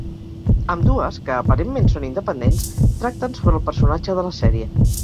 Ambdues, que aparentment són independents, tracten sobre el personatge de la sèrie.